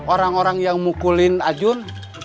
orang orang yang mukulin ajun